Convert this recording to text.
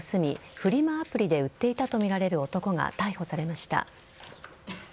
フリマアプリで売っていたとみられる男が逮捕されました。